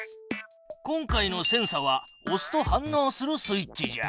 今回のセンサはおすと反のうするスイッチじゃ。